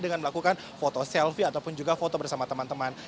dengan melakukan foto selfie ataupun juga foto bersama teman teman